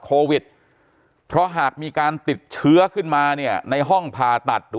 โควิดเพราะหากมีการติดเชื้อขึ้นมาเนี่ยในห้องผ่าตัดหรือ